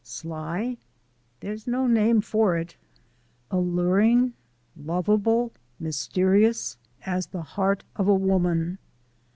Sly? There's no name for it. Alluring, lovable, mysterious as the heart of a woman.